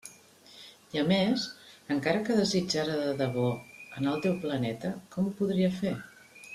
I a més, encara que desitjara de debò anar al teu planeta, com ho podria fer?